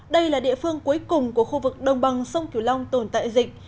đây là địa phương cuối cùng của khu vực đồng bằng sông kiều long tồn tại dịch